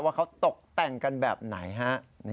ว่าเขาตกแต่งกันแบบไหนฮะ